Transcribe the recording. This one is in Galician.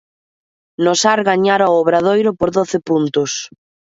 No Sar gañara o Obradoiro por doce puntos.